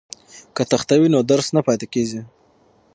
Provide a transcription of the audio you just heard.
که تخته وي نو درس نه پاتې کیږي.